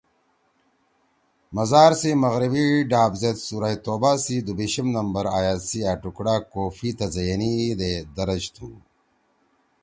مزار سی مغربی ڈاب زید سورہ توبہ سی دُوبیِشم نمبر آیت سی أ ٹُکڑا کوفی تزئینی دے درج تُھو